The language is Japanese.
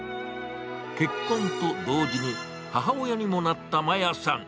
結婚と同時に母親にもなった、まやさん。